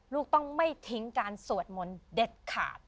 ลูกต้องไม่ทิ้งการสวดมนต์เด็ดขาด